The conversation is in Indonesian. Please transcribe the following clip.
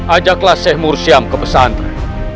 ajaklah syekh mursam ke pesantren